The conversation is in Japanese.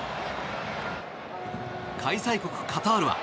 開催国カタールは。